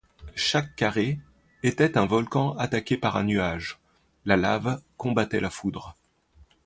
Chaque carré était un volcan attaqué par un nuage; la lave combattait la foudre.